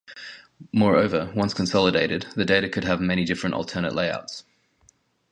Moreover, once consolidated, the data could have many different alternate layouts.